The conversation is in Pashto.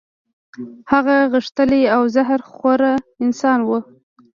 هغه غښتلی او زهر خوره انسان وو.